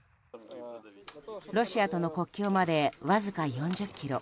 ロシアとの国境までわずか４０ｋｍ